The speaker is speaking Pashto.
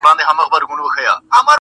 نه زما زخم د لکۍ سي جوړېدلای؛